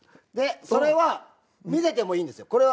でそれは見せてもいいんですよ。